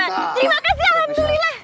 terima kasih alhamdulillah